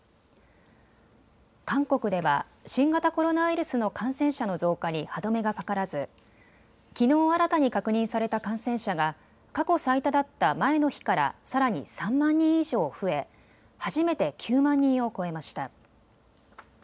韓国では新型コロナウイルスの感染者の増加に歯止めがかからずきのう新たに確認された感染者が過去最多だった前の日からさらに３万人以上増え初めて９万人を超えました。